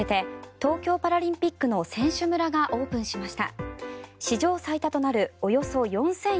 東京パラリンピックの選手村が今日、オープンしました。